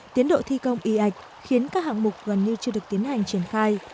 tiến độ thi công y ạch khiến các hạng mục gần như chưa được tiến hành triển khai